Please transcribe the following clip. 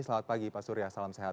selamat pagi pak surya salam sehat